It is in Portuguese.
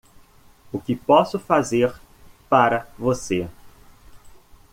O que posso fazer para você?